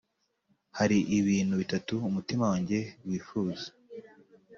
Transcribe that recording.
Hari ibintu bitatu umutima wanjye wifuza,